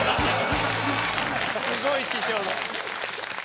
すごい師匠だ。